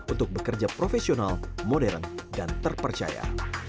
untuk bekerja profesional modern dan terpercaya